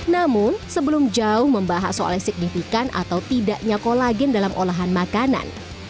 namun sebelum jauh membahas soal signifikan atau tidaknya kolagen dalam olahan makanan